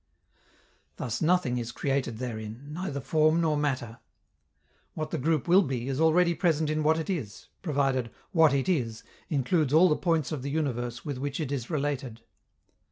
Thus nothing is created therein, neither form nor matter. What the group will be is already present in what it is, provided "what it is" includes all the points of the universe with which it is related.